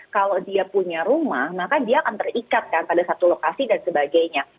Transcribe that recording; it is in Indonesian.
kalau dia punya rumah maka dia akan terikat kan pada satu lokasi dan sebagainya